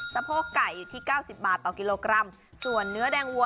สะโพกไก่๙๐บาทคิโลกรัมส่วนเนื้อแดงวัว